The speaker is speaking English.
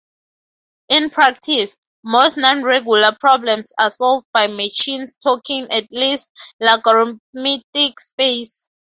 In practice, most nonregular problems are solved by machines taking at least logarithmic space.